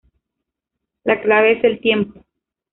La clave es el tiempo.